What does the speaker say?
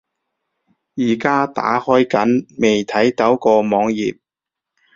而家打開緊，未睇到個網頁￼